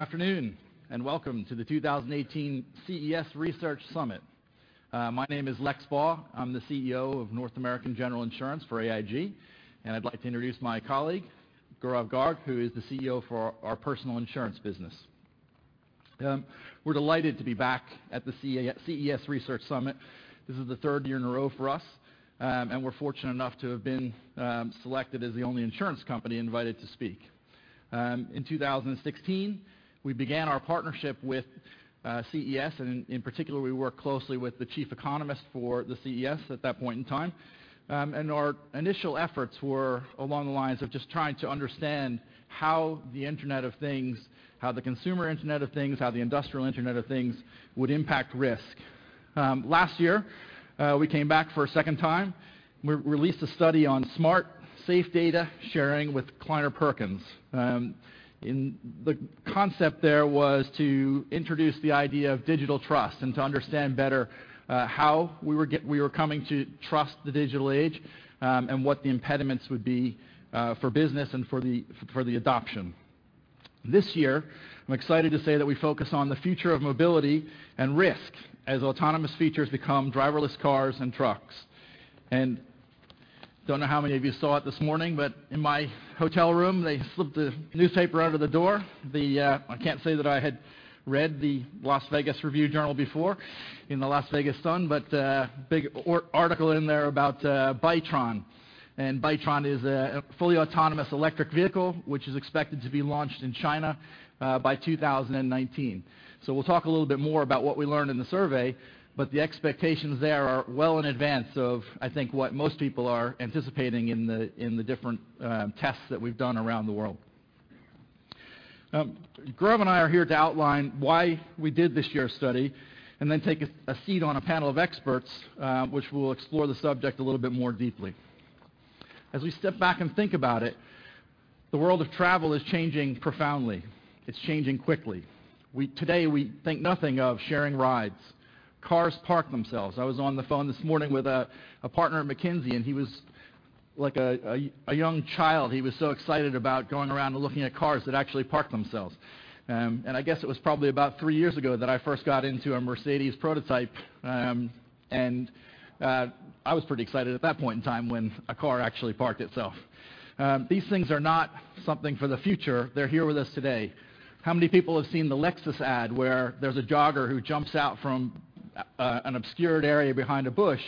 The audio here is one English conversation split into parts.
Afternoon, welcome to the 2018 CES Research Summit. My name is Lex Baugh. I'm the CEO of North American General Insurance for AIG, and I'd like to introduce my colleague, Gaurav Garg, who is the CEO for our personal insurance business. We're delighted to be back at the CES Research Summit. This is the third year in a row for us, and we're fortunate enough to have been selected as the only insurance company invited to speak. In 2016, we began our partnership with CES, and in particular, we worked closely with the chief economist for the CES at that point in time. Our initial efforts were along the lines of just trying to understand how the Internet of Things, how the consumer Internet of Things, how the industrial Internet of Things would impact risk. Last year, we came back for a second time. We released a study on smart, safe data sharing with Kleiner Perkins. The concept there was to introduce the idea of digital trust and to understand better how we were coming to trust the digital age, and what the impediments would be for business and for the adoption. This year, I'm excited to say that we focus on the future of mobility and risk as autonomous features become driverless cars and trucks. Don't know how many of you saw it this morning, but in my hotel room, they slipped a newspaper under the door. I can't say that I had read the Las Vegas Review-Journal before and the Las Vegas Sun, but a big article in there about Byton. Byton is a fully autonomous electric vehicle, which is expected to be launched in China by 2019. We'll talk a little bit more about what we learned in the survey, but the expectations there are well in advance of, I think, what most people are anticipating in the different tests that we've done around the world. Gaurav and I are here to outline why we did this year's study and then take a seat on a panel of experts, which will explore the subject a little bit more deeply. As we step back and think about it, the world of travel is changing profoundly. It's changing quickly. Today, we think nothing of sharing rides. Cars park themselves. I was on the phone this morning with a partner at McKinsey, and he was like a young child. He was so excited about going around and looking at cars that actually park themselves. I guess it was probably about three years ago that I first got into a Mercedes prototype, and I was pretty excited at that point in time when a car actually parked itself. These things are not something for the future, they're here with us today. How many people have seen the Lexus ad where there's a jogger who jumps out from an obscured area behind a bush?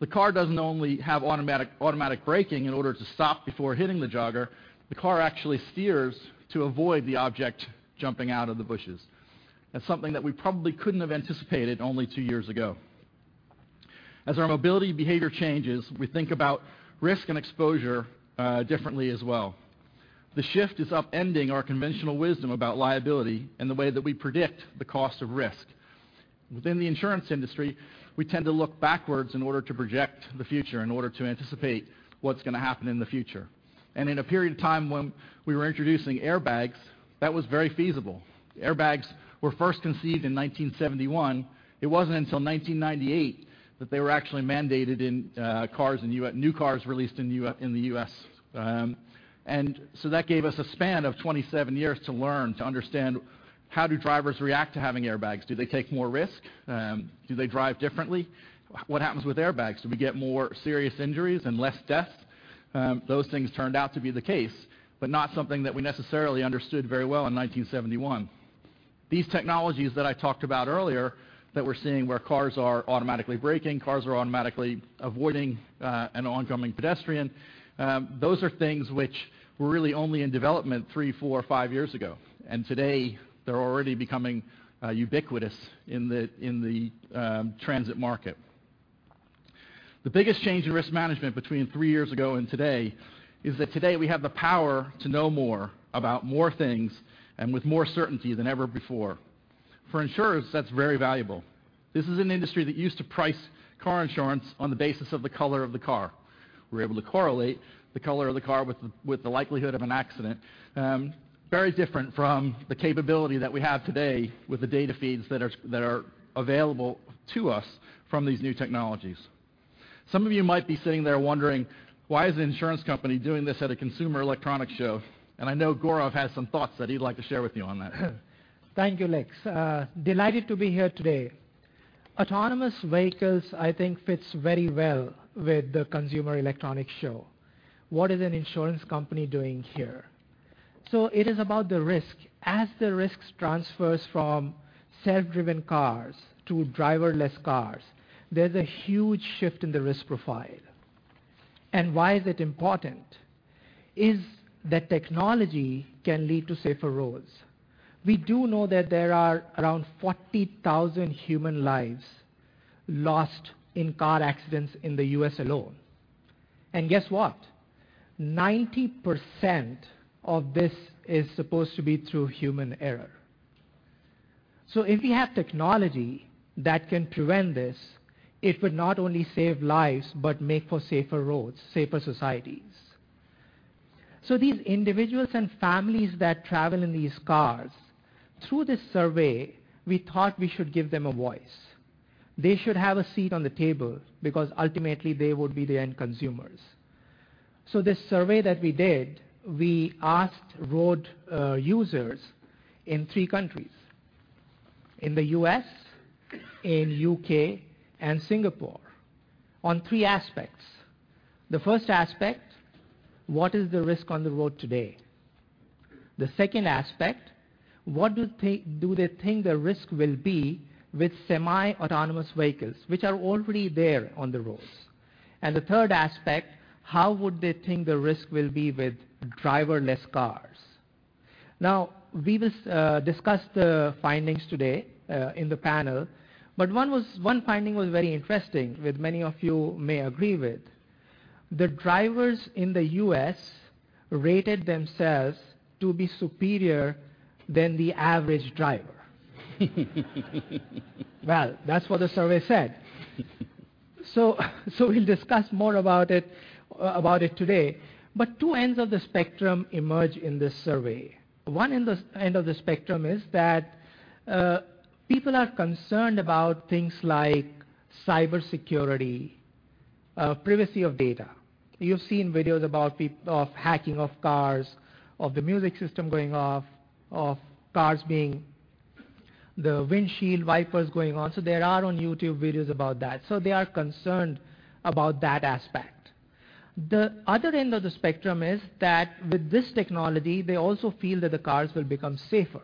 The car doesn't only have automatic braking in order to stop before hitting the jogger, the car actually steers to avoid the object jumping out of the bushes. That's something that we probably couldn't have anticipated only two years ago. As our mobility behavior changes, we think about risk and exposure differently as well. The shift is upending our conventional wisdom about liability and the way that we predict the cost of risk. Within the insurance industry, we tend to look backwards in order to project the future, in order to anticipate what's going to happen in the future. In a period of time when we were introducing airbags, that was very feasible. Airbags were first conceived in 1971. It wasn't until 1998 that they were actually mandated in new cars released in the U.S. That gave us a span of 27 years to learn to understand how do drivers react to having airbags. Do they take more risks? Do they drive differently? What happens with airbags? Do we get more serious injuries and less deaths? Those things turned out to be the case, but not something that we necessarily understood very well in 1971. These technologies that I talked about earlier, that we're seeing where cars are automatically braking, cars are automatically avoiding an oncoming pedestrian, those are things which were really only in development three, four, five years ago. Today, they're already becoming ubiquitous in the transit market. The biggest change in risk management between three years ago and today is that today we have the power to know more about more things and with more certainty than ever before. For insurers, that's very valuable. This is an industry that used to price car insurance on the basis of the color of the car, we were able to correlate the color of the car with the likelihood of an accident. Very different from the capability that we have today with the data feeds that are available to us from these new technologies. Some of you might be sitting there wondering, why is an insurance company doing this at a Consumer Electronics Show? I know Gaurav has some thoughts that he'd like to share with you on that. Thank you, Lex. Delighted to be here today. Autonomous vehicles, I think fits very well with the Consumer Electronics Show. What is an insurance company doing here? It is about the risk. As the risks transfers from self-driven cars to driverless cars, there's a huge shift in the risk profile. Why is it important? Is that technology can lead to safer roads. We do know that there are around 40,000 human lives lost in car accidents in the U.S. alone. Guess what? 90% of this is supposed to be through human error. If we have technology that can prevent this, it would not only save lives, but make for safer roads, safer societies. These individuals and families that travel in these cars, through this survey, we thought we should give them a voice. They should have a seat at the table because ultimately they would be the end consumers. This survey that we did, we asked road users in three countries, in the U.S., in U.K., and Singapore, on three aspects. The first aspect: what is the risk on the road today? The second aspect: what do they think the risk will be with semi-autonomous vehicles, which are already there on the roads? The third aspect: how would they think the risk will be with driverless cars? We discussed the findings today in the panel, but one finding was very interesting, which many of you may agree with. The drivers in the U.S. rated themselves to be superior than the average driver. Well, that's what the survey said. We'll discuss more about it today. Two ends of the spectrum emerge in this survey. One end of the spectrum is that people are concerned about things like cybersecurity, privacy of data. You've seen videos about hacking of cars, of the music system going off, of the windshield wipers going on. They are on YouTube, videos about that. They are concerned about that aspect. The other end of the spectrum is that with this technology, they also feel that the cars will become safer.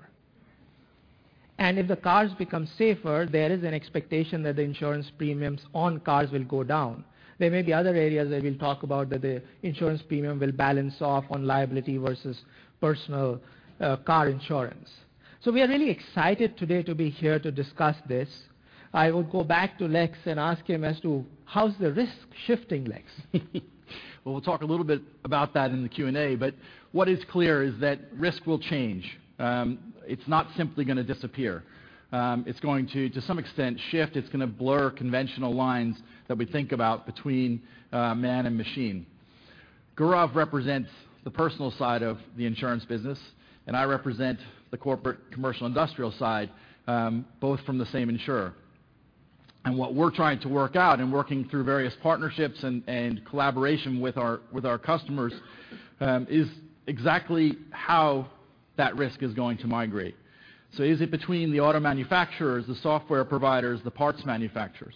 If the cars become safer, there is an expectation that the insurance premiums on cars will go down. There may be other areas that we'll talk about that the insurance premium will balance off on liability versus personal car insurance. We are really excited today to be here to discuss this. I would go back to Lex and ask him as to how's the risk shifting, Lex? Well, we'll talk a little bit about that in the Q&A, but what is clear is that risk will change. It's not simply going to disappear. It's going to some extent, shift. It's going to blur conventional lines that we think about between man and machine. Gaurav represents the personal side of the insurance business, and I represent the corporate commercial industrial side, both from the same insurer. What we're trying to work out, and working through various partnerships and collaboration with our customers, is exactly how that risk is going to migrate. Is it between the auto manufacturers, the software providers, the parts manufacturers,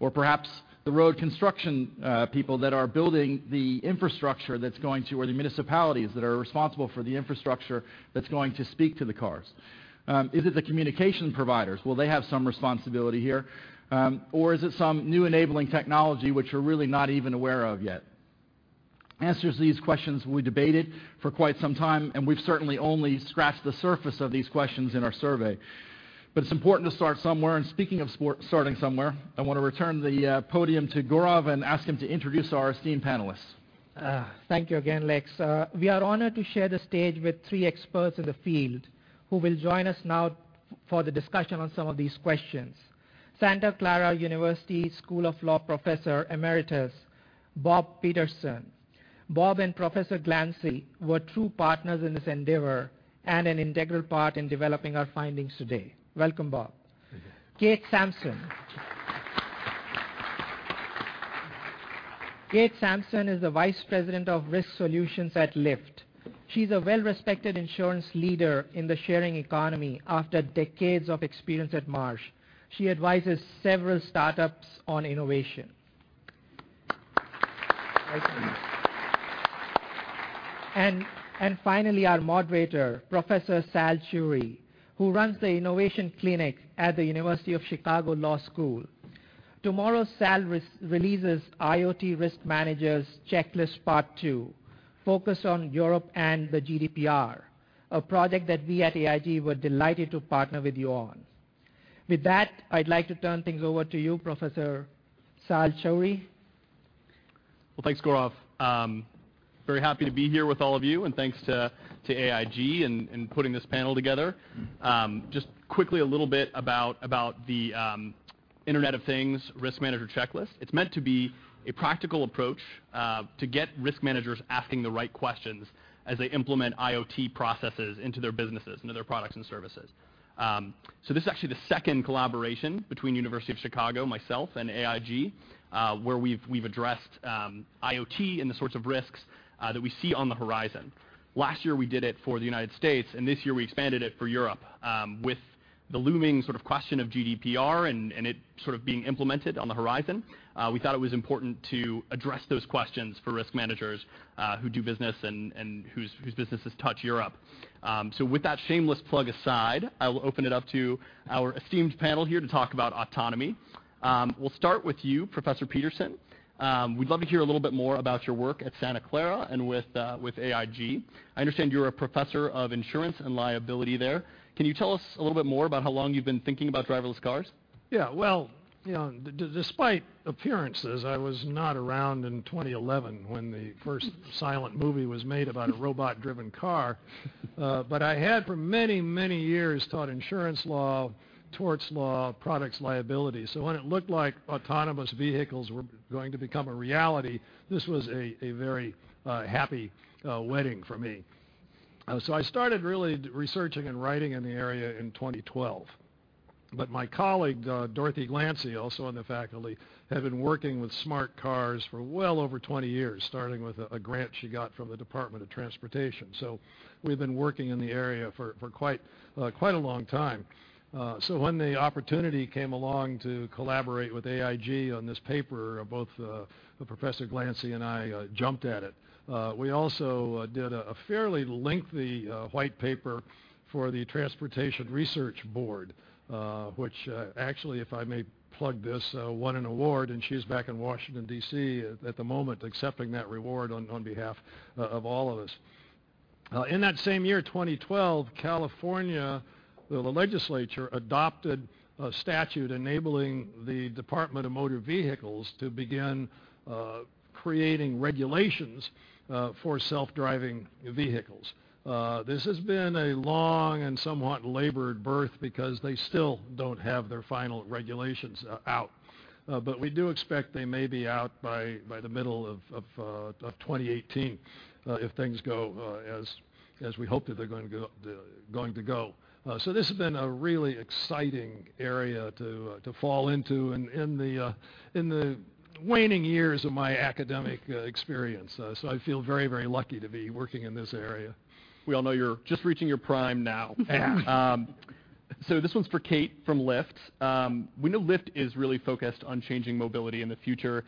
or perhaps the road construction people that are building the infrastructure or the municipalities that are responsible for the infrastructure that's going to speak to the cars? Is it the communication providers? Will they have some responsibility here? Is it some new enabling technology which we're really not even aware of yet? Answers to these questions we debated for quite some time, we've certainly only scratched the surface of these questions in our survey. It's important to start somewhere. Speaking of starting somewhere, I want to return the podium to Gaurav and ask him to introduce our esteemed panelists. Thank you again, Lex. We are honored to share the stage with three experts in the field who will join us now for the discussion on some of these questions. Santa Clara University School of Law Professor Emeritus Bob Peterson. Bob and Professor Glancy were true partners in this endeavor and an integral part in developing our findings today. Welcome, Bob. Thank you. Kate Sampson. Kate Sampson is the Vice President of Risk Solutions at Lyft. She's a well-respected insurance leader in the sharing economy after decades of experience at Marsh. She advises several startups on innovation. Thank you. Finally, our moderator, Professor Salen Churi, who runs the Innovation Clinic at the University of Chicago Law School. Tomorrow, Sal releases "IoT Risk Manager's Checklist Part 2: Focus on Europe and the GDPR," a project that we at AIG were delighted to partner with you on. With that, I'd like to turn things over to you, Professor Salen Churi. Well, thanks, Gaurav. Very happy to be here with all of you, and thanks to AIG in putting this panel together. Just quickly, a little bit about the Internet of Things Risk Manager Checklist. It's meant to be a practical approach to get risk managers asking the right questions as they implement IoT processes into their businesses and into their products and services. This is actually the second collaboration between University of Chicago, myself, and AIG, where we've addressed IoT and the sorts of risks that we see on the horizon. Last year, we did it for the U.S., and this year we expanded it for Europe. With the looming question of GDPR and it sort of being implemented on the horizon, we thought it was important to address those questions for risk managers who do business and whose businesses touch Europe. With that shameless plug aside, I will open it up to our esteemed panel here to talk about autonomy. We'll start with you, Professor Peterson. We'd love to hear a little bit more about your work at Santa Clara and with AIG. I understand you're a professor of insurance and liability there. Can you tell us a little bit more about how long you've been thinking about driverless cars? Despite appearances, I was not around in 2011 when the first silent movie was made about a robot-driven car. I had, for many, many years, taught insurance law, torts law, products liability. When it looked like autonomous vehicles were going to become a reality, this was a very happy wedding for me. I started really researching and writing in the area in 2012. My colleague, Dorothy Glancy, also on the faculty, had been working with smart cars for well over 20 years, starting with a grant she got from the Department of Transportation. We've been working in the area for quite a long time. When the opportunity came along to collaborate with AIG on this paper, both Professor Glancy and I jumped at it. We also did a fairly lengthy white paper for the Transportation Research Board, which actually, if I may plug this, won an award, and she's back in Washington, D.C. at the moment accepting that award on behalf of all of us. In that same year, 2012, California, the legislature adopted a statute enabling the Department of Motor Vehicles to begin creating regulations for self-driving vehicles. This has been a long and somewhat labored birth because they still don't have their final regulations out. We do expect they may be out by the middle of 2018, if things go as we hope that they're going to go. This has been a really exciting area to fall into in the waning years of my academic experience. I feel very, very lucky to be working in this area. We all know you're just reaching your prime now. this one's for Kate from Lyft. We know Lyft is really focused on changing mobility in the future.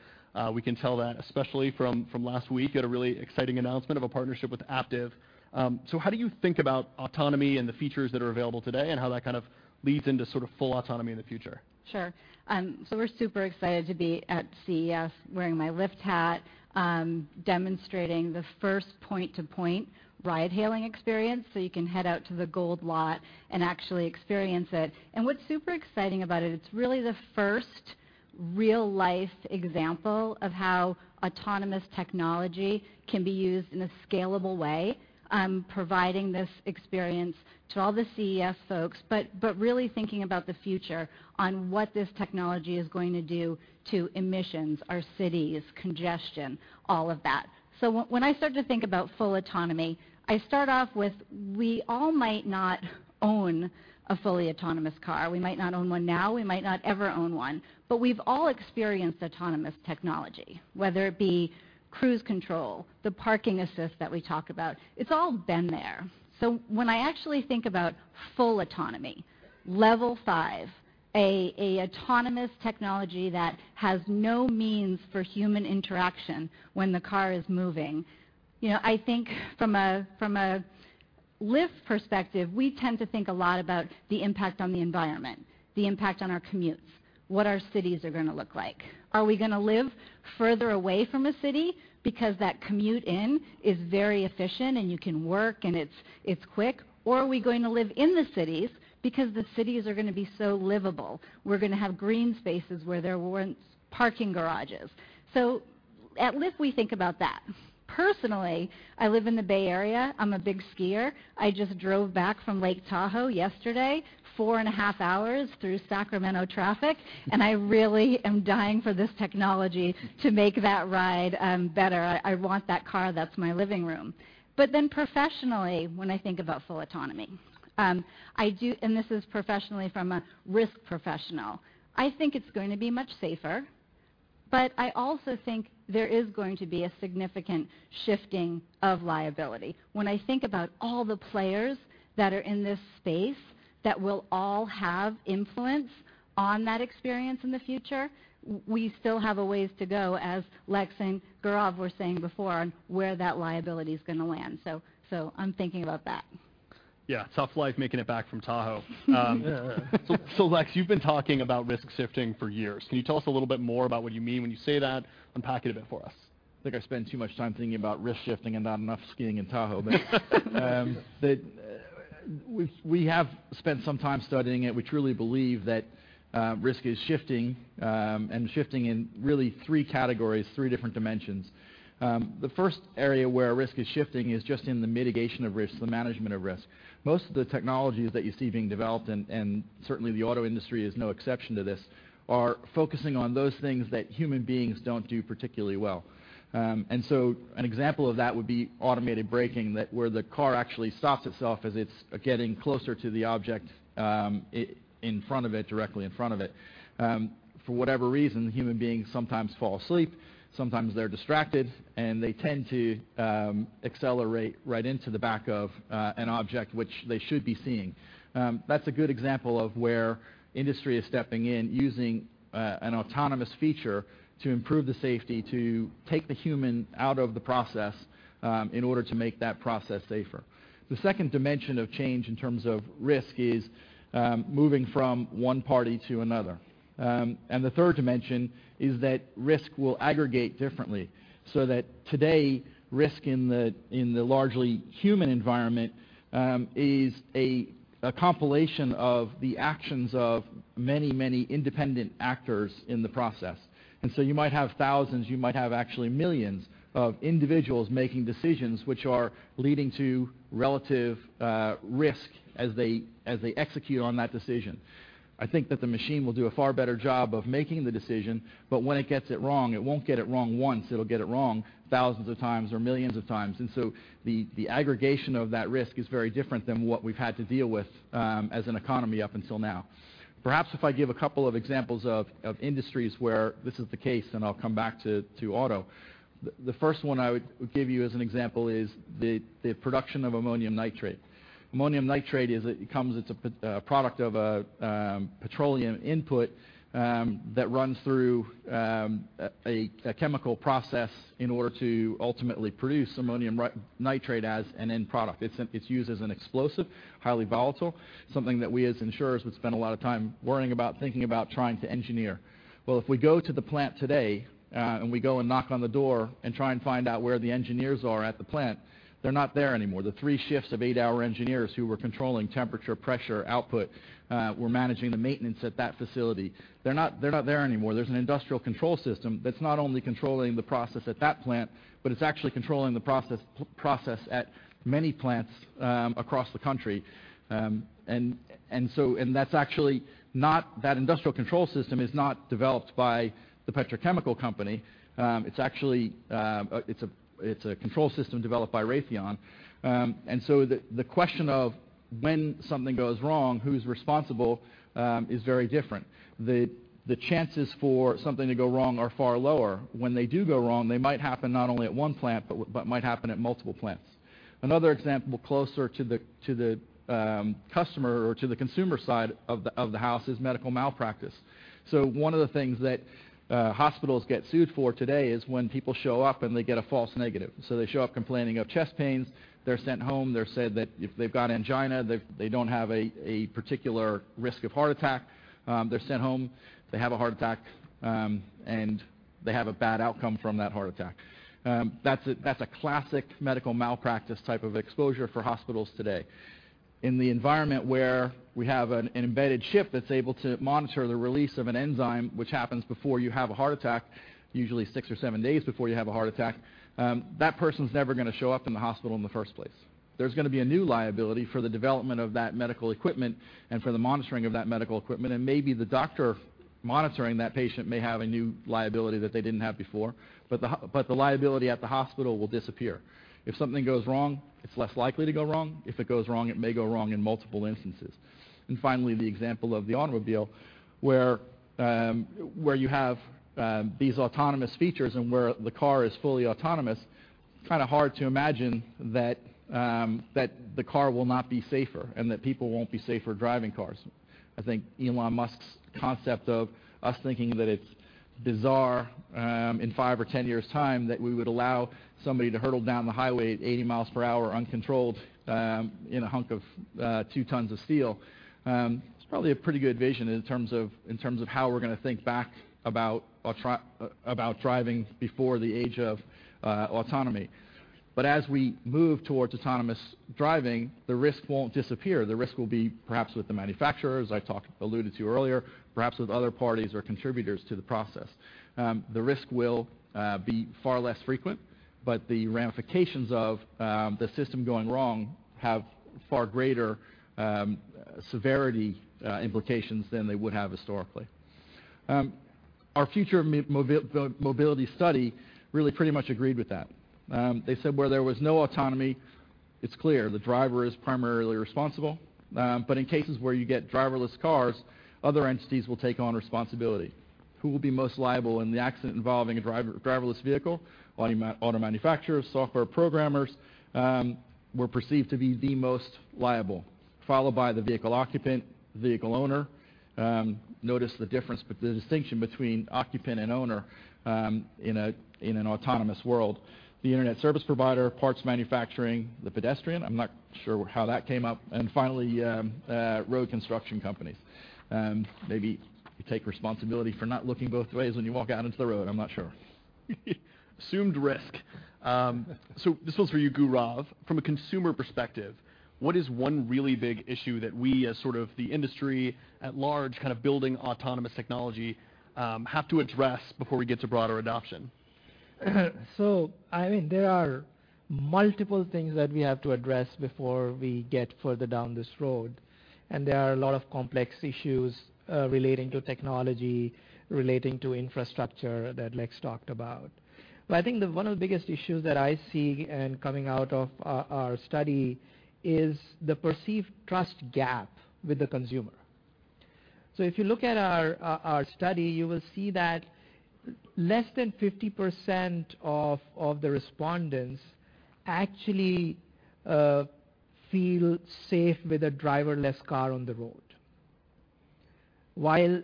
We can tell that especially from last week at a really exciting announcement of a partnership with Aptiv. How do you think about autonomy and the features that are available today, and how that kind of leads into sort of full autonomy in the future? Sure. We're super excited to be at CES wearing my Lyft hat, demonstrating the first point-to-point ride-hailing experience. You can head out to the Gold Lot and actually experience it. What's super exciting about it's really the first real-life example of how autonomous technology can be used in a scalable way. Providing this experience to all the CES folks, but really thinking about the future on what this technology is going to do to emissions, our cities, congestion, all of that. When I start to think about full autonomy, I start off with, we all might not own a fully autonomous car. We might not own one now, we might not ever own one. We've all experienced autonomous technology, whether it be cruise control, the parking assist that we talk about. It's all been there. When I actually think about full autonomy, Level 5, an autonomous technology that has no means for human interaction when the car is moving. I think from a Lyft perspective, we tend to think a lot about the impact on the environment, the impact on our commutes, what our cities are going to look like. Are we going to live further away from a city because that commute in is very efficient, and you can work and it's quick? Or are we going to live in the cities because the cities are going to be so livable? We're going to have green spaces where there once parking garages. At Lyft, we think about that. Personally, I live in the Bay Area. I'm a big skier. I just drove back from Lake Tahoe yesterday, four and a half hours through Sacramento traffic, and I really am dying for this technology to make that ride better. I want that car that's my living room. Professionally, when I think about full autonomy, and this is professionally from a risk professional. I think it's going to be much safer, but I also think there is going to be a significant shifting of liability. When I think about all the players that are in this space that will all have influence on that experience in the future, we still have a ways to go, as Lex and Gaurav were saying before, on where that liability is going to land. I'm thinking about that. Yeah. Tough life making it back from Tahoe. Lex, you've been talking about risk-shifting for years. Can you tell us a little bit more about what you mean when you say that? Unpack it a bit for us. I think I spend too much time thinking about risk-shifting and not enough skiing in Tahoe. We have spent some time studying it. We truly believe that risk is shifting, and shifting in really 3 categories, 3 different dimensions. The 1st area where risk is shifting is just in the mitigation of risk, the management of risk. Most of the technologies that you see being developed, and certainly the auto industry is no exception to this, are focusing on those things that human beings don't do particularly well. An example of that would be automated braking, where the car actually stops itself as it's getting closer to the object directly in front of it. For whatever reason, human beings sometimes fall asleep, sometimes they're distracted, and they tend to accelerate right into the back of an object which they should be seeing. That's a good example of where industry is stepping in, using an autonomous feature to improve the safety, to take the human out of the process in order to make that process safer. The 2nd dimension of change in terms of risk is moving from 1 party to another. The 3rd dimension is that risk will aggregate differently, so that today, risk in the largely human environment is a compilation of the actions of many, many independent actors in the process. You might have thousands, you might have actually millions of individuals making decisions which are leading to relative risk as they execute on that decision. I think that the machine will do a far better job of making the decision, but when it gets it wrong, it won't get it wrong once, it'll get it wrong thousands of times or millions of times. The aggregation of that risk is very different than what we've had to deal with as an economy up until now. Perhaps if I give a couple of examples of industries where this is the case, then I'll come back to auto. The 1st one I would give you as an example is the production of ammonium nitrate. Ammonium nitrate is a product of a petroleum input that runs through a chemical process in order to ultimately produce ammonium nitrate as an end product. It's used as an explosive, highly volatile, something that we as insurers would spend a lot of time worrying about, thinking about, trying to engineer. Well, if we go to the plant today, and we go and knock on the door and try and find out where the engineers are at the plant, they're not there anymore. The three shifts of 8-hour engineers who were controlling temperature, pressure, output, were managing the maintenance at that facility, they're not there anymore. There's an industrial control system that's not only controlling the process at that plant, but it's actually controlling the process at many plants across the country. That industrial control system is not developed by the petrochemical company. It's a control system developed by Raytheon. The question of when something goes wrong, who's responsible is very different. The chances for something to go wrong are far lower. When they do go wrong, they might happen not only at one plant, but might happen at multiple plants. Another example closer to the customer or to the consumer side of the house is medical malpractice. One of the things that hospitals get sued for today is when people show up and they get a false negative. They show up complaining of chest pains. They're sent home. They're said that they've got angina. They don't have a particular risk of heart attack. They're sent home. They have a heart attack, and they have a bad outcome from that heart attack. That's a classic medical malpractice type of exposure for hospitals today. In the environment where we have an embedded chip that's able to monitor the release of an enzyme, which happens before you have a heart attack, usually six or seven days before you have a heart attack, that person's never going to show up in the hospital in the first place. There's going to be a new liability for the development of that medical equipment and for the monitoring of that medical equipment, and maybe the doctor monitoring that patient may have a new liability that they didn't have before. The liability at the hospital will disappear. If something goes wrong, it's less likely to go wrong. If it goes wrong, it may go wrong in multiple instances. Finally, the example of the automobile, where you have these autonomous features and where the car is fully autonomous, kind of hard to imagine that the car will not be safer and that people won't be safer driving cars. I think Elon Musk's concept of us thinking that it's bizarre in 5 or 10 years' time that we would allow somebody to hurtle down the highway at 80 miles per hour uncontrolled in a hunk of two tons of steel is probably a pretty good vision in terms of how we're going to think back about driving before the age of autonomy. As we move towards autonomous driving, the risk won't disappear. The risk will be perhaps with the manufacturers, as I alluded to earlier, perhaps with other parties or contributors to the process. The risk will be far less frequent, but the ramifications of the system going wrong have far greater severity implications than they would have historically. Our future mobility study really pretty much agreed with that. They said where there was no autonomy, it's clear the driver is primarily responsible. In cases where you get driverless cars, other entities will take on responsibility. Who will be most liable in the accident involving a driverless vehicle? Auto manufacturers, software programmers were perceived to be the most liable, followed by the vehicle occupant, the vehicle owner. Notice the distinction between occupant and owner in an autonomous world. The internet service provider, parts manufacturing, the pedestrian, I'm not sure how that came up, and finally, road construction companies. Maybe you take responsibility for not looking both ways when you walk out into the road. I'm not sure. Assumed risk. This one's for you, Gaurav. From a consumer perspective, what is one really big issue that we as sort of the industry at large kind of building autonomous technology have to address before we get to broader adoption? There are multiple things that we have to address before we get further down this road, and there are a lot of complex issues relating to technology, relating to infrastructure that Lex talked about. I think that one of the biggest issues that I see coming out of our study is the perceived trust gap with the consumer. If you look at our study, you will see that less than 50% of the respondents actually feel safe with a driverless car on the road. While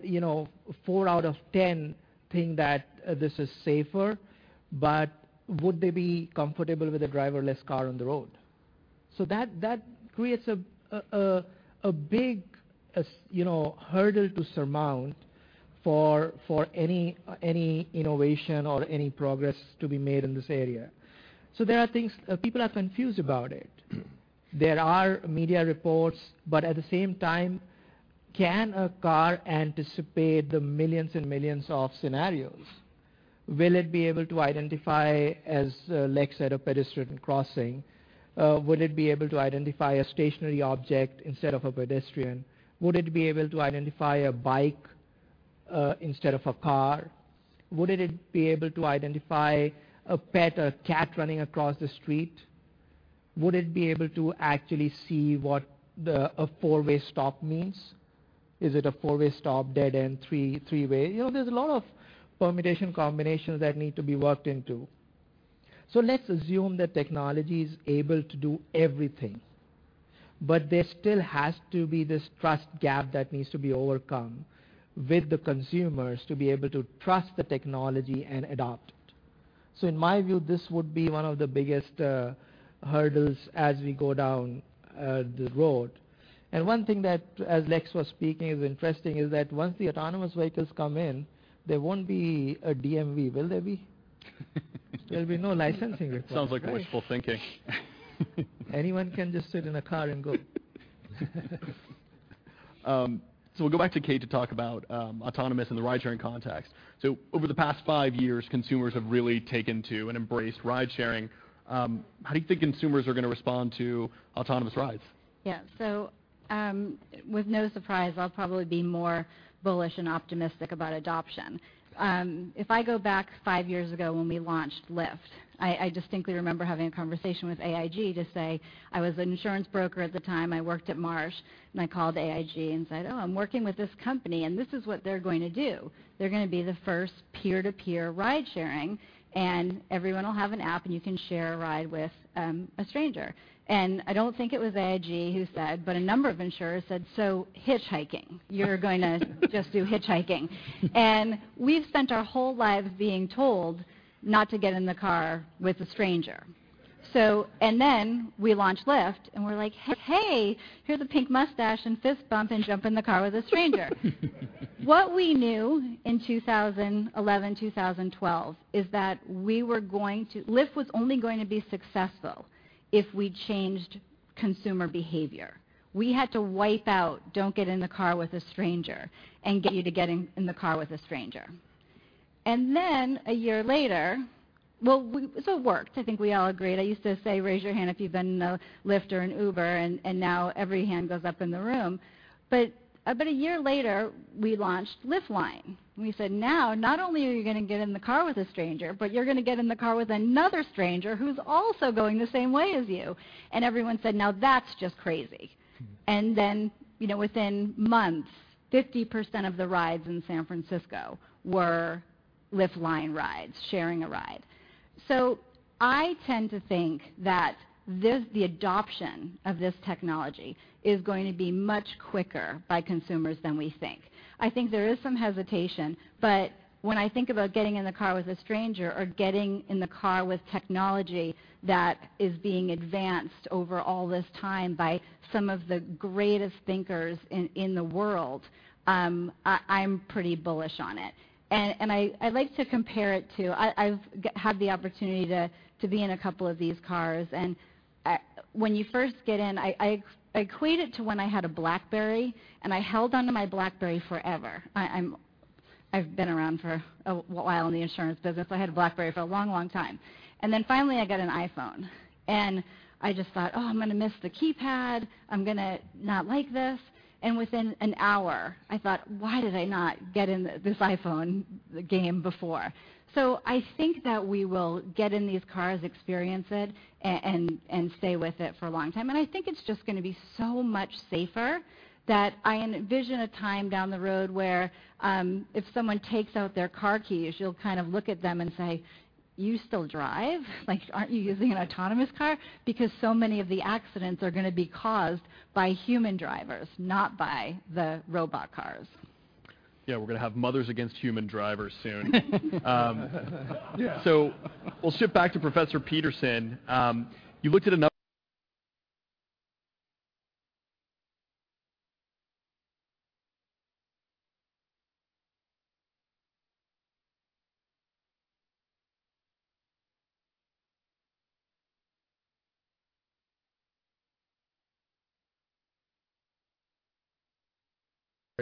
four out of 10 think that this is safer, but would they be comfortable with a driverless car on the road? That creates a big hurdle to surmount for any innovation or any progress to be made in this area. People are confused about it. There are media reports, but at the same time, can a car anticipate the millions and millions of scenarios? Will it be able to identify, as Lex said, a pedestrian crossing? Will it be able to identify a stationary object instead of a pedestrian? Would it be able to identify a bike instead of a car? Would it be able to identify a pet, a cat running across the street? Would it be able to actually see what a four-way stop means? Is it a four-way stop, dead end, three-way? There's a lot of permutation combinations that need to be worked into. Let's assume that technology's able to do everything, but there still has to be this trust gap that needs to be overcome with the consumers to be able to trust the technology and adopt it. In my view, this would be one of the biggest hurdles as we go down the road. One thing that, as Lex was speaking, is interesting, is that once the autonomous vehicles come in, there won't be a DMV, will there be? There'll be no licensing required, right? Sounds like wishful thinking. Anyone can just sit in a car and go. We'll go back to Kate to talk about autonomous in the rideshare context. Over the past five years, consumers have really taken to and embraced ridesharing. How do you think consumers are going to respond to autonomous rides? Yeah. With no surprise, I'll probably be more bullish and optimistic about adoption. If I go back 5 years ago when we launched Lyft, I distinctly remember having a conversation with AIG to say. I was an insurance broker at the time. I worked at Marsh, I called AIG and said, "Oh, I'm working with this company, and this is what they're going to do. They're going to be the first peer-to-peer ridesharing, and everyone will have an app, and you can share a ride with a stranger." I don't think it was AIG who said, but a number of insurers said, "So, hitchhiking. Just do hitchhiking." We've spent our whole lives being told not to get in the car with a stranger. We launched Lyft and we're like, "Hey, here's a pink mustache and fist bump and jump in the car with a stranger." What we knew in 2011, 2012, is that Lyft was only going to be successful if we changed consumer behavior. We had to wipe out "Don't get in the car with a stranger" and get you to get in the car with a stranger. A year later it worked. I think we all agreed. I used to say, "Raise your hand if you've been in a Lyft or an Uber," now every hand goes up in the room. A year later, we launched Lyft Line. We said, "Now, not only are you going to get in the car with a stranger, but you're going to get in the car with another stranger who's also going the same way as you." Everyone said, "Now that's just crazy." Within months, 50% of the rides in San Francisco were Lyft Line rides, sharing a ride. I tend to think that the adoption of this technology is going to be much quicker by consumers than we think. I think there is some hesitation, but when I think about getting in the car with a stranger or getting in the car with technology that is being advanced over all this time by some of the greatest thinkers in the world, I'm pretty bullish on it. I like to compare it to. I've had the opportunity to be in a couple of these cars. When you first get in, I equate it to when I had a BlackBerry, I held onto my BlackBerry forever. I've been around for a while in the insurance business. I had a BlackBerry for a long, long time. Finally, I got an iPhone. I just thought, "Oh, I'm going to miss the keypad. I'm going to not like this." Within an hour, I thought, "Why did I not get in this iPhone game before?" I think that we will get in these cars, experience it, and stay with it for a long time. I think it's just going to be so much safer that I envision a time down the road where if someone takes out their car keys, you'll kind of look at them and say, "You still drive?" Like, "Aren't you using an autonomous car?" Because so many of the accidents are going to be caused by human drivers, not by the robot cars. Yeah, we're going to have Mothers Against Human Drivers soon. We'll shift back to Professor Peterson.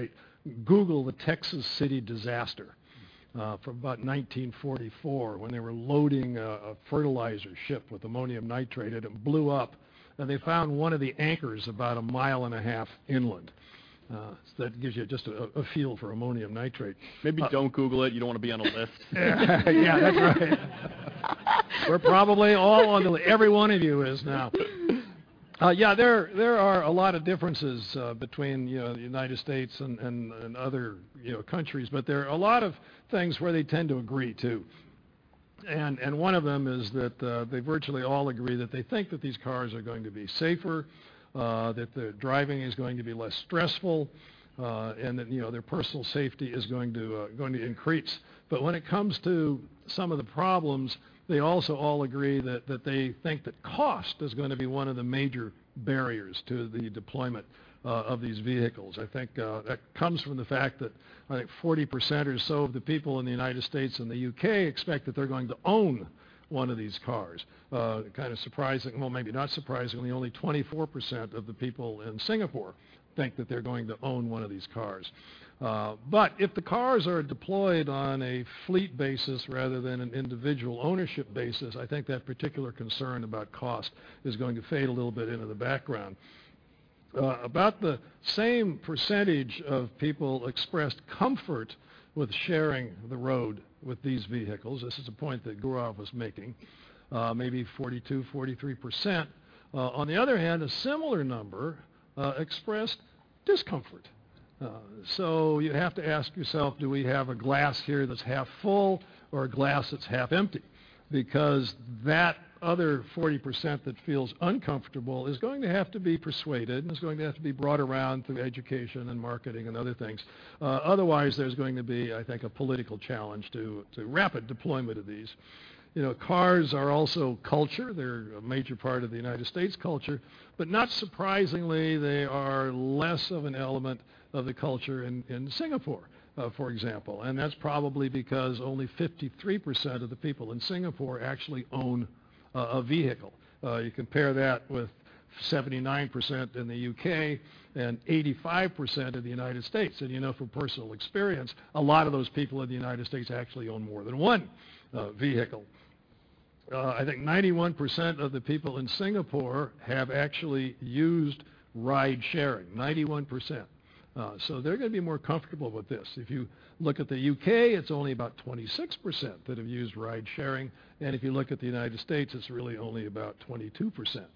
Right. Google the Texas City disaster from about 1944 when they were loading a fertilizer ship with ammonium nitrate, and it blew up. They found one of the anchors about a mile and a half inland. That gives you just a feel for ammonium nitrate. Maybe don't Google it. You don't want to be on a list. That's right. Every one of you is now. There are a lot of differences between the U.S. and other countries. There are a lot of things where they tend to agree, too. One of them is that they virtually all agree that they think that these cars are going to be safer, that the driving is going to be less stressful, and that their personal safety is going to increase. When it comes to some of the problems, they also all agree that they think that cost is going to be one of the major barriers to the deployment of these vehicles. I think that comes from the fact that 40% or so of the people in the U.S. and the U.K. expect that they're going to own one of these cars. Kind of surprising. Well, maybe not surprisingly, only 24% of the people in Singapore think that they're going to own one of these cars. If the cars are deployed on a fleet basis rather than an individual ownership basis, I think that particular concern about cost is going to fade a little bit into the background. About the same percentage of people expressed comfort with sharing the road with these vehicles. This is a point that Gaurav was making. Maybe 42%, 43%. On the other hand, a similar number expressed discomfort. You have to ask yourself, do we have a glass here that's half full or a glass that's half empty? Because that other 40% that feels uncomfortable is going to have to be persuaded and is going to have to be brought around through education and marketing and other things. Otherwise, there's going to be, I think, a political challenge to rapid deployment of these. Cars are also culture. They're a major part of the U.S. culture. Not surprisingly, they are less of an element of the culture in Singapore, for example. That's probably because only 53% of the people in Singapore actually own a vehicle. You compare that with 79% in the U.K. and 85% in the U.S. You know from personal experience, a lot of those people in the U.S. actually own more than one vehicle. I think 91% of the people in Singapore have actually used ride sharing. 91%. They're going to be more comfortable with this. If you look at the U.K., it's only about 26% that have used ride sharing. If you look at the U.S., it's really only about 22%.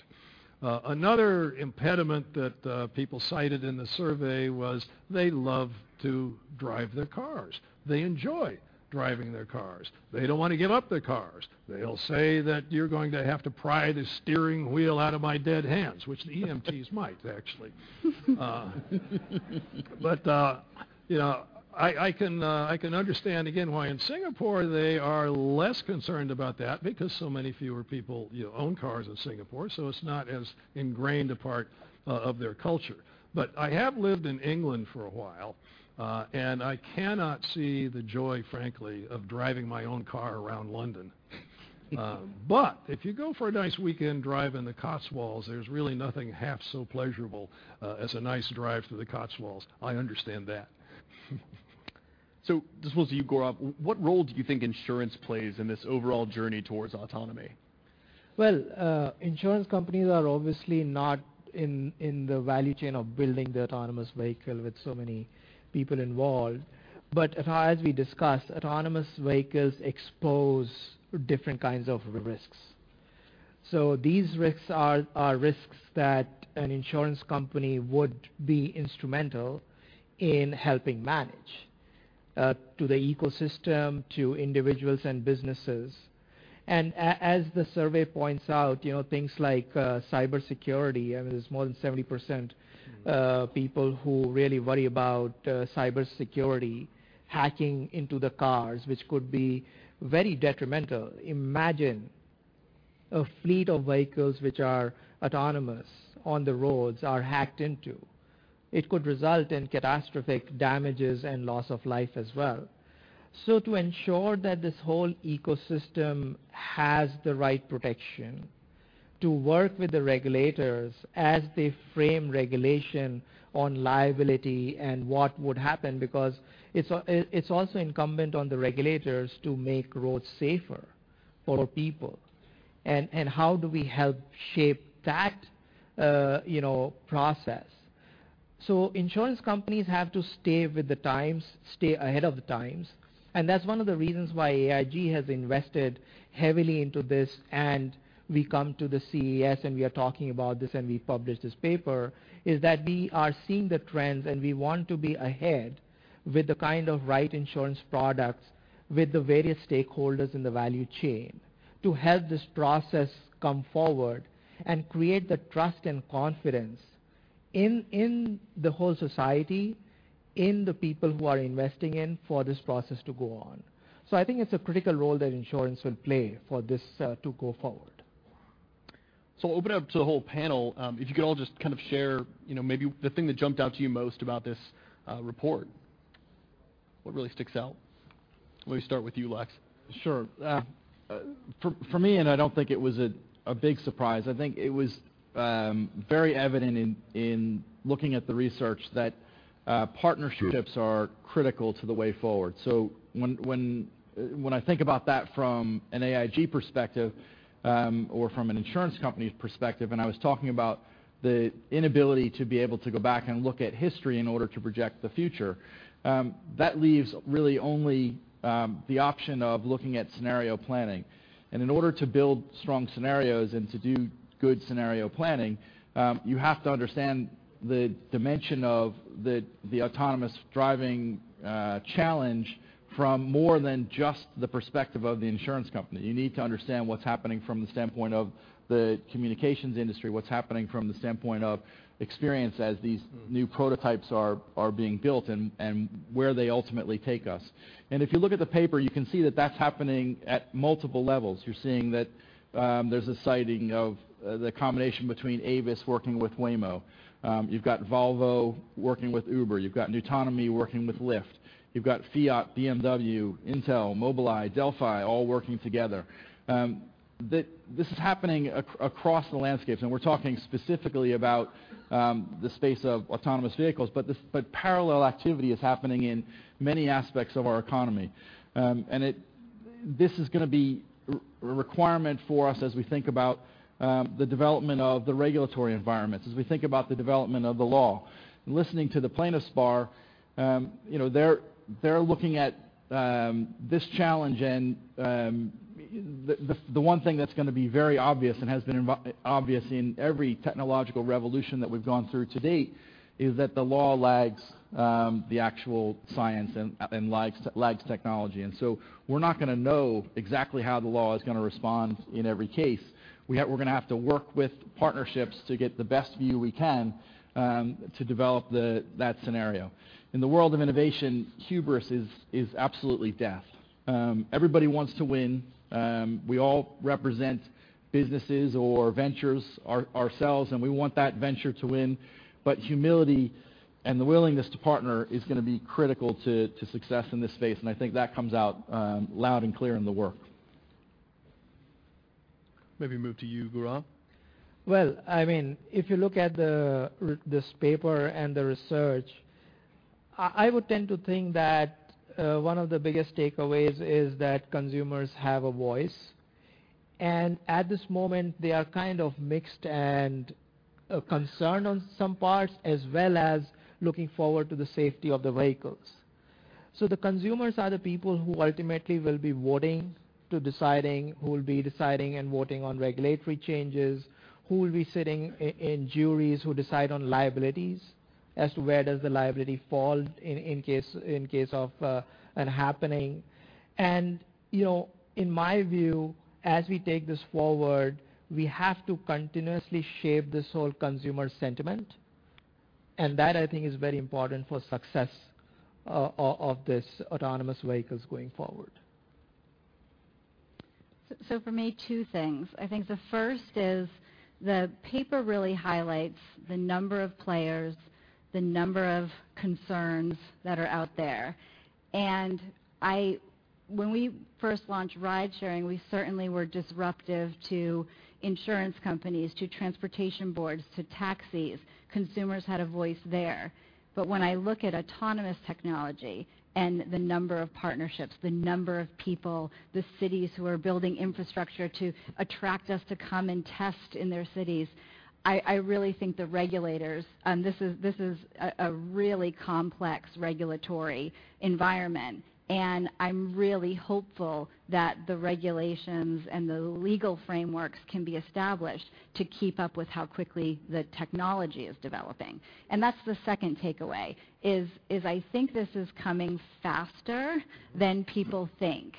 Another impediment that people cited in the survey was they love to drive their cars. They enjoy driving their cars. They don't want to give up their cars. They'll say that you're going to have to pry the steering wheel out of my dead hands, which the EMTs might actually. I can understand again why in Singapore they are less concerned about that because so many fewer people own cars in Singapore, so it's not as ingrained a part of their culture. I have lived in England for a while, and I cannot see the joy, frankly, of driving my own car around London. If you go for a nice weekend drive in the Cotswolds, there's really nothing half so pleasurable as a nice drive through the Cotswolds. I understand that. this goes to you, Gaurav. What role do you think insurance plays in this overall journey towards autonomy? Well, insurance companies are obviously not in the value chain of building the autonomous vehicle with so many people involved. As we discussed, autonomous vehicles expose different kinds of risks. These risks are risks that an insurance company would be instrumental in helping manage to the ecosystem, to individuals and businesses. As the survey points out, things like cybersecurity. There's more than 70% people who really worry about cybersecurity hacking into the cars, which could be very detrimental. Imagine a fleet of vehicles which are autonomous on the roads are hacked into. It could result in catastrophic damages and loss of life as well. To ensure that this whole ecosystem has the right protection to work with the regulators as they frame regulation on liability and what would happen because it's also incumbent on the regulators to make roads safer for people. How do we help shape that process? Insurance companies have to stay with the times, stay ahead of the times, and that's one of the reasons why AIG has invested heavily into this. We come to the CES, and we are talking about this, and we publish this paper is that we are seeing the trends, and we want to be ahead with the kind of right insurance products with the various stakeholders in the value chain to help this process come forward and create the trust and confidence in the whole society, in the people who are investing in for this process to go on. I think it's a critical role that insurance will play for this to go forward. I'll open it up to the whole panel. If you could all just share maybe the thing that jumped out to you most about this report What really sticks out? Let me start with you, Lex. Sure. For me, I don't think it was a big surprise, I think it was very evident in looking at the research that partnerships are critical to the way forward. When I think about that from an AIG perspective, or from an insurance company's perspective, I was talking about the inability to be able to go back and look at history in order to project the future. That leaves really only the option of looking at scenario planning. In order to build strong scenarios and to do good scenario planning, you have to understand the dimension of the autonomous driving challenge from more than just the perspective of the insurance company. You need to understand what's happening from the standpoint of the communications industry, what's happening from the standpoint of experience as these new prototypes are being built, and where they ultimately take us. If you look at the paper, you can see that that's happening at multiple levels. You're seeing that there's a sighting of the combination between Avis working with Waymo. You've got Volvo working with Uber. You've got nuTonomy working with Lyft. You've got Fiat, BMW, Intel, Mobileye, Delphi, all working together. This is happening across the landscape, we're talking specifically about the space of autonomous vehicles. Parallel activity is happening in many aspects of our economy. This is going to be a requirement for us as we think about the development of the regulatory environments, as we think about the development of the law. Listening to the plaintiffs bar, they're looking at this challenge, the one thing that's going to be very obvious and has been obvious in every technological revolution that we've gone through to date is that the law lags the actual science and lags technology. We're not going to know exactly how the law is going to respond in every case. We're going to have to work with partnerships to get the best view we can to develop that scenario. In the world of innovation, hubris is absolutely death. Everybody wants to win. We all represent businesses or ventures ourselves, we want that venture to win. Humility and the willingness to partner is going to be critical to success in this space, I think that comes out loud and clear in the work. Maybe move to you, Gaurav. Well, if you look at this paper and the research, I would tend to think that one of the biggest takeaways is that consumers have a voice. At this moment, they are kind of mixed and concerned on some parts, as well as looking forward to the safety of the vehicles. The consumers are the people who ultimately will be voting to deciding, who will be deciding and voting on regulatory changes, who will be sitting in juries who decide on liabilities as to where does the liability fall in case of it happening. In my view, as we take this forward, we have to continuously shape this whole consumer sentiment. That I think is very important for success of this autonomous vehicles going forward. For me, two things. I think the first is the paper really highlights the number of players, the number of concerns that are out there. When we first launched ride-sharing, we certainly were disruptive to insurance companies, to transportation boards, to taxis. Consumers had a voice there. When I look at autonomous technology and the number of partnerships, the number of people, the cities who are building infrastructure to attract us to come and test in their cities, I really think the regulators. This is a really complex regulatory environment, and I'm really hopeful that the regulations and the legal frameworks can be established to keep up with how quickly the technology is developing. That's the second takeaway, is I think this is coming faster than people think.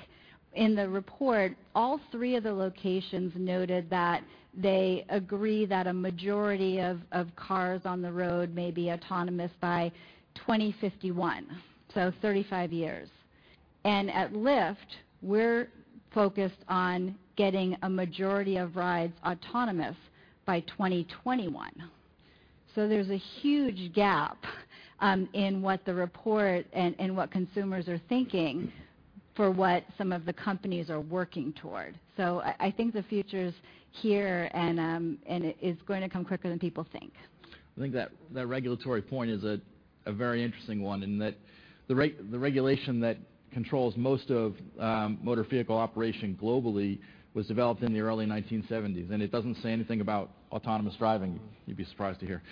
In the report, all three of the locations noted that they agree that a majority of cars on the road may be autonomous by 2051, so 35 years. At Lyft, we're focused on getting a majority of rides autonomous by 2021. There's a huge gap in what the report and what consumers are thinking for what some of the companies are working toward. I think the future is here, and it is going to come quicker than people think. I think that regulatory point is a very interesting one in that the regulation that controls most of motor vehicle operation globally was developed in the early 1970s, it doesn't say anything about autonomous driving, you'd be surprised to hear.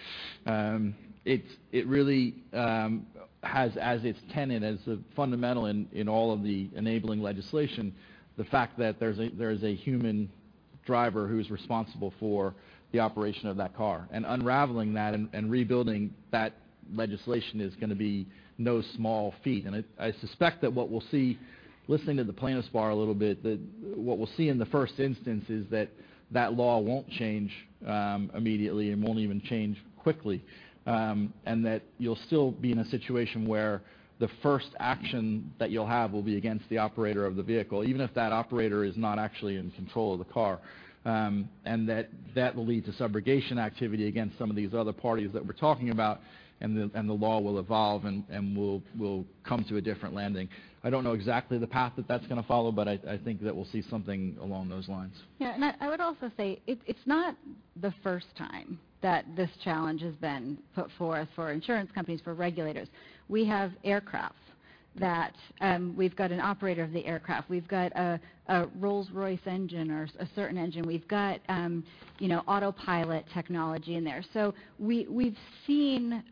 It really has as its tenet, as a fundamental in all of the enabling legislation, the fact that there's a human driver who's responsible for the operation of that car. Unraveling that and rebuilding that legislation is going to be no small feat. I suspect that what we'll see, listening to the plaintiffs bar a little bit, that what we'll see in the first instance is that that law won't change immediately and won't even change quickly. That you'll still be in a situation where the first action that you'll have will be against the operator of the vehicle, even if that operator is not actually in control of the car. That will lead to subrogation activity against some of these other parties that we're talking about, the law will evolve, and we'll come to a different landing. I don't know exactly the path that that's going to follow, but I think that we'll see something along those lines. I would also say, it's not the first time that this challenge has been put forth for insurance companies, for regulators. We have aircraft that we've got an operator of the aircraft. We've got a Rolls-Royce engine or a certain engine. We've got autopilot technology in there. We've seen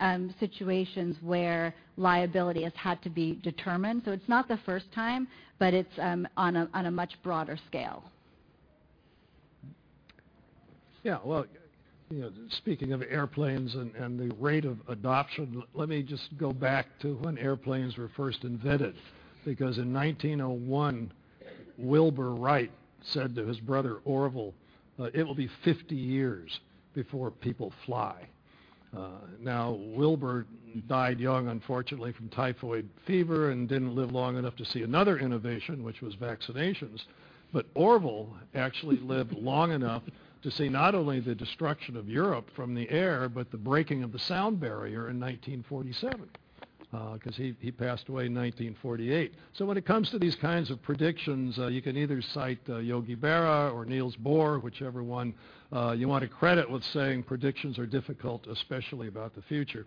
situations where liability has had to be determined. It's not the first time, but it's on a much broader scale. Well, speaking of airplanes and the rate of adoption, let me just go back to when airplanes were first invented. In 1901, Wilbur Wright said to his brother, Orville, "It will be 50 years before people fly." Now, Wilbur died young, unfortunately, from typhoid fever and didn't live long enough to see another innovation, which was vaccinations. Orville actually lived long enough to see not only the destruction of Europe from the air but the breaking of the sound barrier in 1947, because he passed away in 1948. When it comes to these kinds of predictions, you can either cite Yogi Berra or Niels Bohr, whichever one you want to credit with saying, "Predictions are difficult, especially about the future."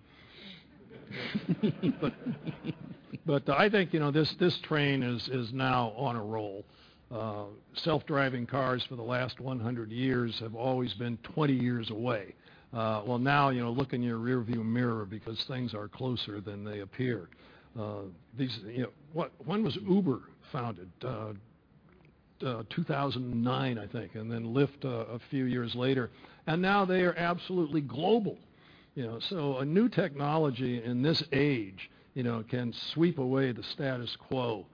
I think, this train is now on a roll. Self-driving cars for the last 100 years have always been 20 years away. Well, now, look in your rear view mirror because things are closer than they appear. When was Uber founded? 2009, I think, and then Lyft a few years later. Now they are absolutely global. A new technology in this age can sweep away the status quo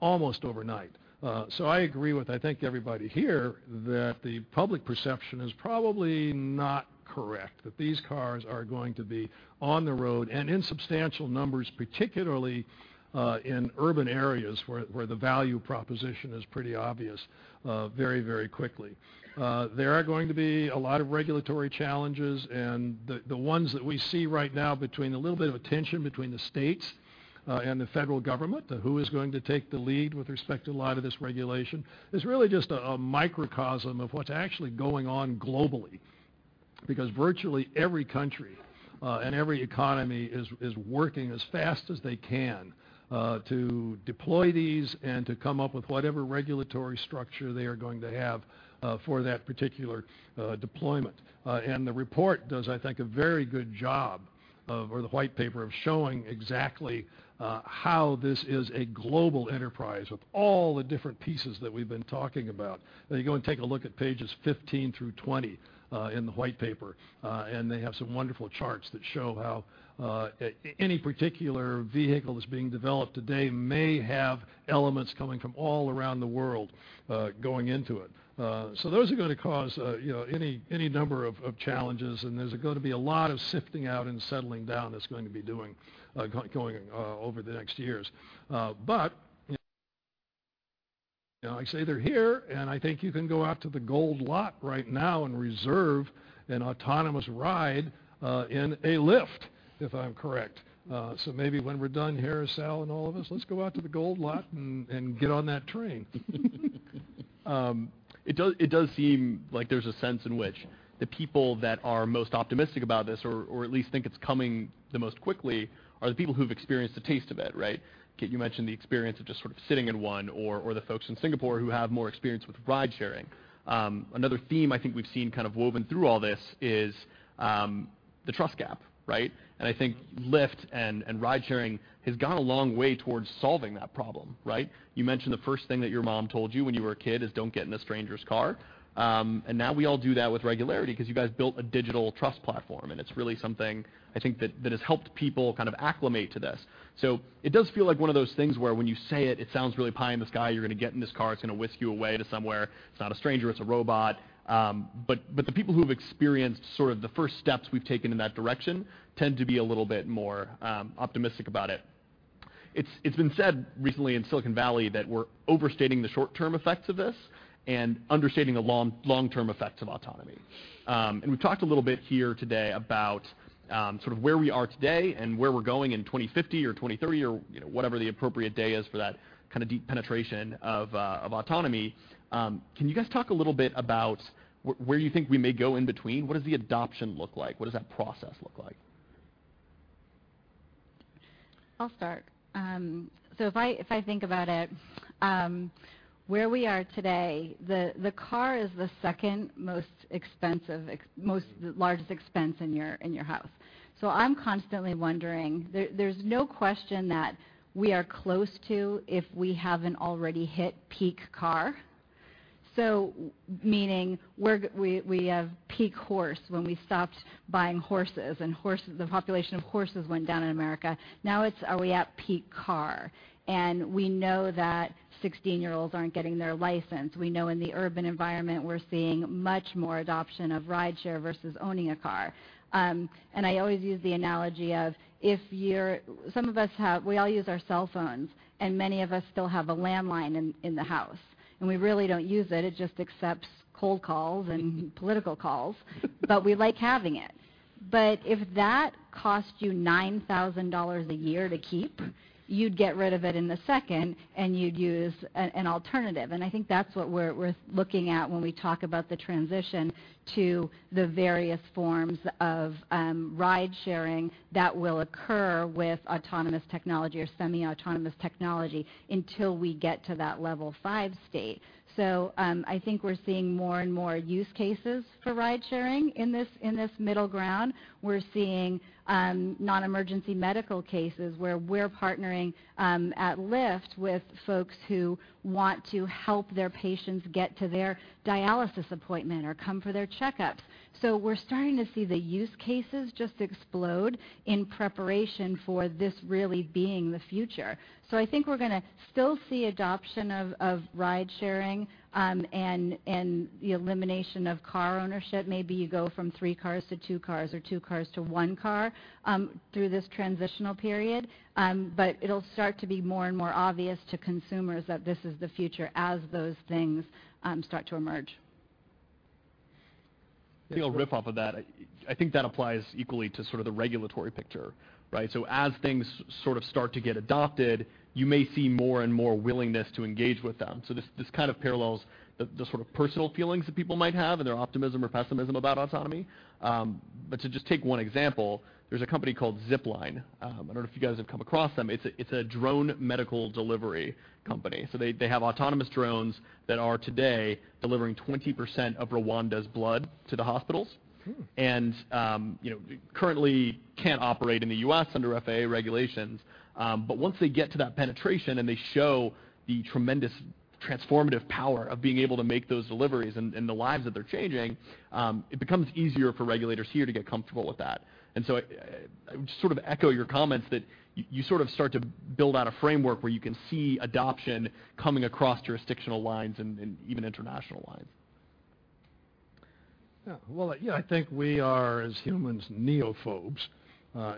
almost overnight. I agree with, I think everybody here, that the public perception is probably not correct. That these cars are going to be on the road and in substantial numbers, particularly in urban areas where the value proposition is pretty obvious, very, very quickly. There are going to be a lot of regulatory challenges, the ones that we see right now between the little bit of a tension between the states and the federal government, who is going to take the lead with respect to a lot of this regulation, is really just a microcosm of what's actually going on globally. Virtually every country and every economy is working as fast as they can to deploy these and to come up with whatever regulatory structure they are going to have for that particular deployment. The report does, I think, a very good job, or the white paper, of showing exactly how this is a global enterprise with all the different pieces that we've been talking about. You go and take a look at pages 15 through 20 in the white paper, they have some wonderful charts that show how any particular vehicle that's being developed today may have elements coming from all around the world going into it. Those are going to cause any number of challenges. There's going to be a lot of sifting out and settling down that's going to be going over the next years. I say they're here, I think you can go out to the Gold Lot right now and reserve an autonomous ride in a Lyft, if I'm correct. Maybe when we're done here, Sal and all of us, let's go out to the Gold Lot and get on that train. It does seem like there's a sense in which the people that are most optimistic about this, or at least think it's coming the most quickly, are the people who've experienced a taste of it, right? Kate, you mentioned the experience of just sort of sitting in one or the folks in Singapore who have more experience with ride-sharing. Another theme I think we've seen kind of woven through all this is the trust gap, right? I think Lyft and ride-sharing has gone a long way towards solving that problem, right? You mentioned the first thing that your mom told you when you were a kid is, "Don't get in a stranger's car." Now we all do that with regularity because you guys built a digital trust platform, and it's really something, I think, that has helped people kind of acclimate to this. It does feel like one of those things where when you say it sounds really pie in the sky. You're going to get in this car, it's going to whisk you away to somewhere. It's not a stranger, it's a robot. The people who've experienced sort of the first steps we've taken in that direction tend to be a little bit more optimistic about it. It's been said recently in Silicon Valley that we're overstating the short-term effects of this and understating the long-term effects of autonomy. We've talked a little bit here today about sort of where we are today and where we're going in 2050 or 2030 or whatever the appropriate day is for that kind of deep penetration of autonomy. Can you guys talk a little bit about where you think we may go in between? What does the adoption look like? What does that process look like? I'll start. If I think about it, where we are today, the car is the second most largest expense in your house. I'm constantly wondering. There's no question that we are close to, if we haven't already hit, peak car. Meaning we have peak horse when we stopped buying horses, and the population of horses went down in America. Now it's are we at peak car? We know that 16-year-olds aren't getting their license. We know in the urban environment we're seeing much more adoption of rideshare versus owning a car. I always use the analogy of, we all use our cell phones, and many of us still have a landline in the house, and we really don't use it. It just accepts cold calls and political calls. We like having it. If that cost you $9,000 a year to keep, you'd get rid of it in a second, and you'd use an alternative. I think that's what we're looking at when we talk about the transition to the various forms of ride-sharing that will occur with autonomous technology or semi-autonomous technology until we get to that Level 5 state. I think we're seeing more and more use cases for ride-sharing in this middle ground. We're seeing non-emergency medical cases where we're partnering at Lyft with folks who want to help their patients get to their dialysis appointment or come for their checkups. We're starting to see the use cases just explode in preparation for this really being the future. I think we're going to still see adoption of ride-sharing, and the elimination of car ownership. Maybe you go from three cars to two cars or two cars to one car through this transitional period. It'll start to be more and more obvious to consumers that this is the future as those things start to emerge. I think I'll rip off of that. I think that applies equally to sort of the regulatory picture, right? As things sort of start to get adopted, you may see more and more willingness to engage with them. This kind of parallels the sort of personal feelings that people might have and their optimism or pessimism about autonomy. To just take one example, there's a company called Zipline. I don't know if you guys have come across them. It's a drone medical delivery company. They have autonomous drones that are today delivering 20% of Rwanda's blood to the hospitals. Currently can't operate in the U.S. under FAA regulations. Once they get to that penetration and they show the tremendous transformative power of being able to make those deliveries and the lives that they're changing, it becomes easier for regulators here to get comfortable with that. I just sort of echo your comments that you sort of start to build out a framework where you can see adoption coming across jurisdictional lines and even international lines. Yeah. Well, yeah. I think we are, as humans, neophobes.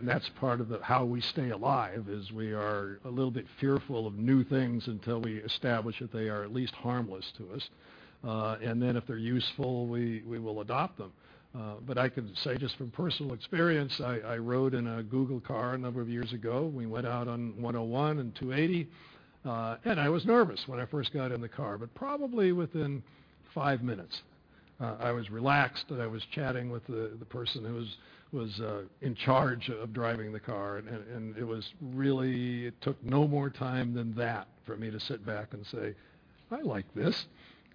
That's part of how we stay alive is we are a little bit fearful of new things until we establish that they are at least harmless to us. If they're useful, we will adopt them. I can say just from personal experience, I rode in a Google car a number of years ago. We went out on 101 and 280. I was nervous when I first got in the car. Probably within five minutes, I was relaxed, and I was chatting with the person who was in charge of driving the car, and it took no more time than that for me to sit back and say, "I like this."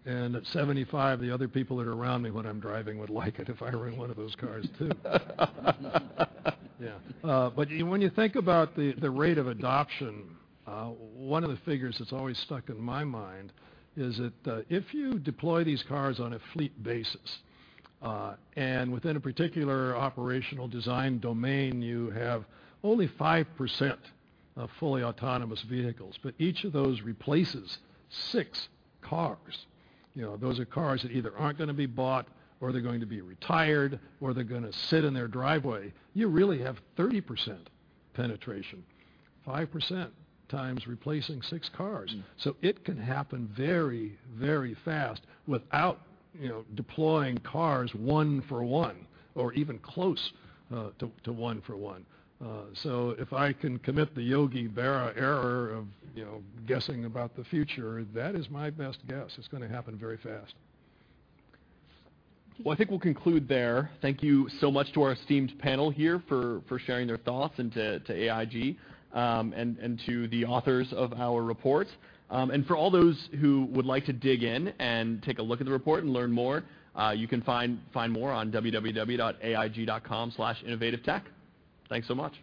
At 75, the other people that are around me when I'm driving would like it if I were in one of those cars, too. Yeah. When you think about the rate of adoption, one of the figures that's always stuck in my mind is that if you deploy these cars on a fleet basis, and within a particular operational design domain, you have only 5% of fully autonomous vehicles, but each of those replaces six cars. Those are cars that either aren't going to be bought, or they're going to be retired, or they're going to sit in their driveway. You really have 30% penetration. 5% times replacing six cars. It can happen very, very fast without deploying cars one for one or even close to one for one. If I can commit the Yogi Berra error of guessing about the future, that is my best guess. It's going to happen very fast. Well, I think we'll conclude there. Thank you so much to our esteemed panel here for sharing their thoughts and to AIG, and to the authors of our report. For all those who would like to dig in and take a look at the report and learn more, you can find more on www.aig.com/innovativetech. Thanks so much.